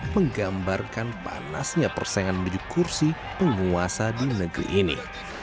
menggambarkan panasnya persaingan menuju kursi penguasa di negeri ini